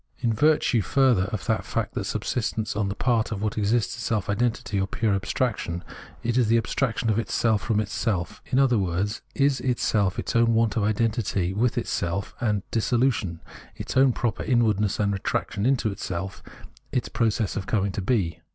In virtue, further, of the fact that subsistence on the part of what exists is self identity or pure abstraction, it is the abstraction of itself from itself, in other words, is itself its own want of identity with itself and dissolution — its own proper inwardness and retraction into self — its process of coming to be.